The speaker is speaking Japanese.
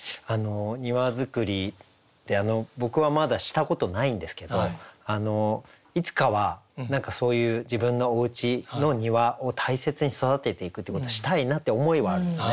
庭造りって僕はまだしたことないんですけどいつかは何かそういう自分のおうちの庭を大切に育てていくってことしたいなって思いはあるんですね。